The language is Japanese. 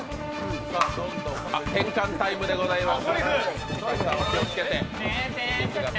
転換タイムでございます。